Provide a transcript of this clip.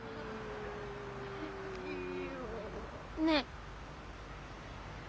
ねえ。